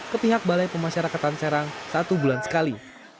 ke pihak balai pemasyarakatan serang satu bulan sekali